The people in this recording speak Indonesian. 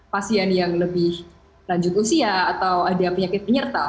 pasien yang lebih lanjut usia atau ada penyakit penyerta